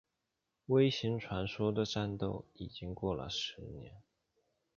微型传说的战斗已经过了十年。